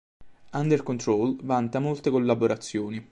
Under Control vanta molte collaborazioni.